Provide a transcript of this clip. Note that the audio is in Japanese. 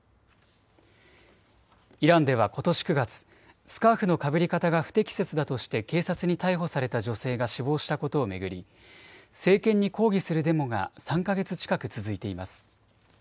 イランではことし９月、スカーフのかぶり方が不適切だとして警察に逮捕された女性が死亡したことを巡り政権に抗議するデモが３か月近く続いています。